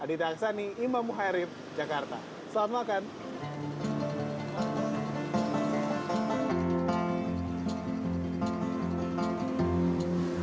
aditya aksani imam muhairif jakarta selamat makan